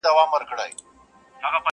تور دېوان د شپې راغلي د رڼا سر یې خوړلی -